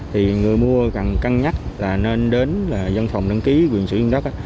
thì người mua cần cân nhắc là nên đến văn phòng đăng ký quyền sử dụng đất